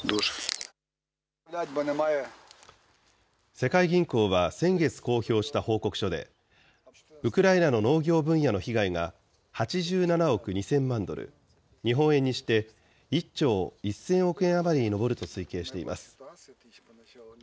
世界銀行は先月公表した報告書で、ウクライナの農業分野の被害が８７億２０００万ドル、日本円にして１兆１０００億円余りに上ると推計しています。